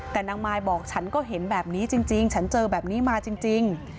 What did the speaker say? แต่นางมายบอกฉันก็เห็นแบบนี้จริงฉันเจอแบบนี้มาจริง